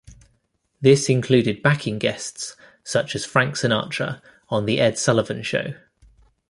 This included backing guests such as Frank Sinatra on "The Ed Sullivan Show".